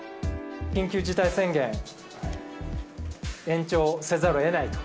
緊急事態宣言、延長せざるをえないと。